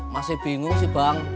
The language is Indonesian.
masih bingung sih bang